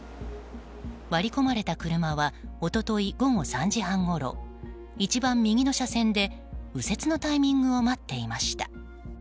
割り込まれた車は一昨日午後３時半ごろ一番右の車線で右折のタイミングを待っていました。